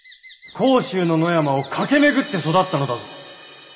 甲州の野山を駆け巡って育ったのだぞ。